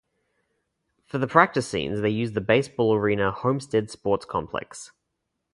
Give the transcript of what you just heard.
For the practice scenes they used the baseball arena Homestead Sports Complex.